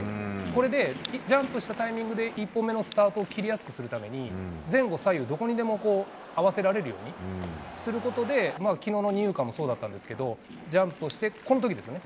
これでジャンプしたタイミングで１歩目のスタートを切りやすくするために、前後左右、どこにでも合わせられるようにすることで、きのうの二遊間もそうだったんですけど、ジャンプをしてこのときですね。